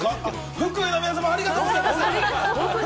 福井の皆さまありがとうございます。